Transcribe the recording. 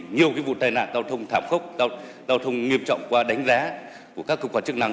nhiều vụ tai nạn giao thông thảm khốc giao thông nghiêm trọng qua đánh giá của các cơ quan chức năng